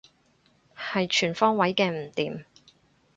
係全方位嘅唔掂